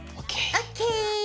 ＯＫ！